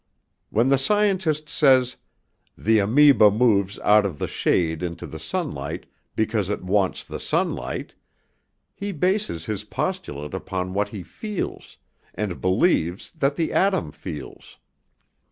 When the scientist says, 'The amoeba moves out of the shade into the sunlight because it wants the sunlight,' he bases his postulate upon what he feels, and believes that the atom feels.